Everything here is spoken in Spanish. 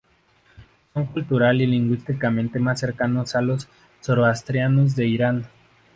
Son cultural y lingüísticamente más cercanos a los zoroastrianos de Irán.